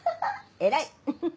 偉い！